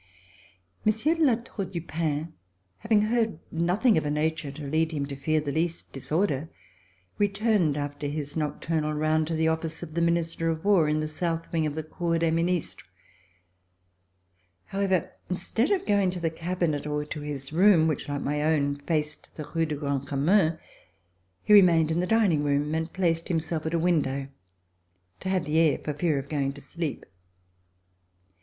Monsieur de La Tour du Pin, having heard noth ing of a nature to lead him to fear the least disorder, returned after his nocturnal round to the office of the Minister of War in the south wing of the Cour des Ministres. However, instead of going to the cabinet or to his room, which, like my own, faced the Rue du Grand Commun, he remained in the din ing room and placed himself at a window to have the air for fear of going to sleep.